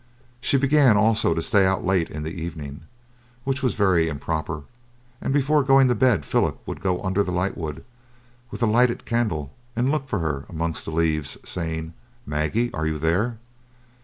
She began also to stay out late in the evening, which was very improper, and before going to bed Philip would go under the lightwood with a lighted candle, and look for her amongst the leaves, saying, "Maggie, are you there?"